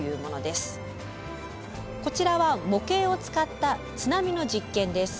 こちらは模型を使った津波の実験です。